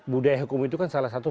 budaya hukum itu kan salah satu